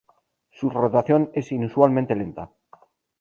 Su rotación es inusualmente lenta.